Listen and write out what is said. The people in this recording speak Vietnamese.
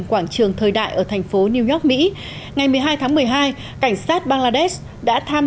quảng trường thời đại ở thành phố new york mỹ ngày một mươi hai tháng một mươi hai cảnh sát bangladesh đã tham